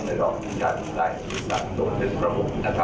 หญิงมันอยู่ใต้ประเทศไทยครับ